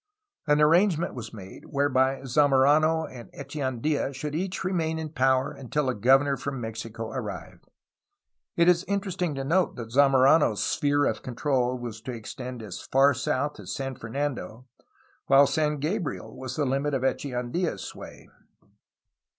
An arrangement was made whereby Zamorano and Eche andia should each remain in power until a governor from Mexico arrived. It is interesting to note that Zamorano's sphere of control was to extend as far south as San Fer nando, while San Gabriel was the limit of Echeandla^s sway.